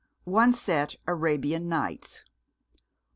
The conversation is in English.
One set Arabian Nights.